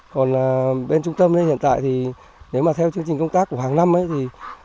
còn bên trung tâm thì hiện tại thì nếu mà theo chương trình công tác của hàng năm ấy thì